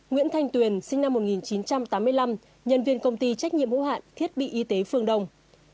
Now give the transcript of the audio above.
nguyễn thanh tuyền sinh năm một nghìn chín trăm tám mươi năm nhân viên công ty trách nhiệm hữu hạn thiết bị y tế phương đông